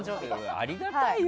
ありがたいよ。